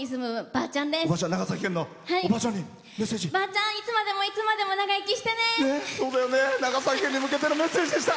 ばあちゃん、いつまでもいつまでも長生きしてね！